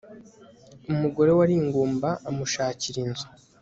umugore wari ingumba amushakira inzu